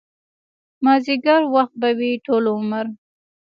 مازديګر وخت به وي ټول عمر